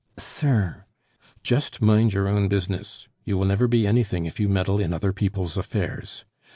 "Sir " "Just mind your own business; you will never be anything if you meddle in other people's affairs."